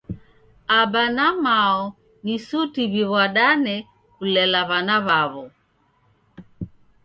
Aba na mao ni suti w'iw'adane kulela w'ana w'aw'o.